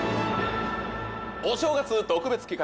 『お正月特別企画！